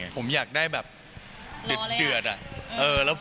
ผมอยากได้แบบเด็ดอะ